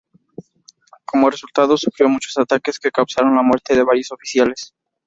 Como resultado, sufrió muchos ataques que causaron la muerte de varios oficiales.